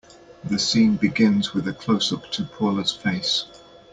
The scene begins with a closeup to Paula's face.